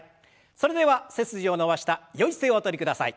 それでは背筋を伸ばしたよい姿勢をおとりください。